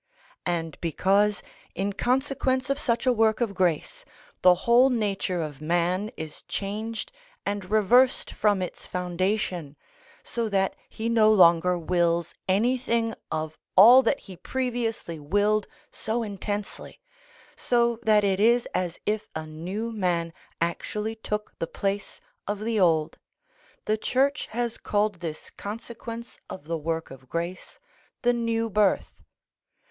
And because, in consequence of such a work of grace, the whole nature of man is changed and reversed from its foundation, so that he no longer wills anything of all that he previously willed so intensely, so that it is as if a new man actually took the place of the old, the Church has called this consequence of the work of grace the new birth.